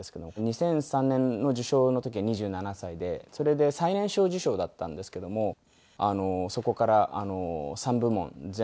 ２００３年の受賞の時は２７歳でそれで最年少受賞だったんですけどもそこから３部門全部で。